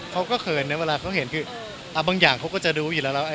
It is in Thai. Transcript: เค้าก็เขินเนี่ยเวลาเค้าเห็นคือบางอย่างเค้าก็จะดูอยู่แล้ว